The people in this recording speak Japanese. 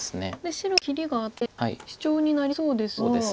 白は切りがあってシチョウになりそうですが。